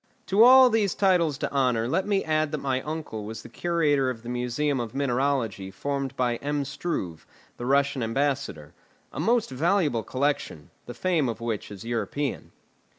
To all these titles to honour let me add that my uncle was the curator of the museum of mineralogy formed by M. Struve, the Russian ambassador; a most valuable collection, the fame of which is European.